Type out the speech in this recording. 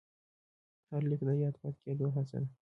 هر لیک د یاد پاتې کېدو هڅه ده.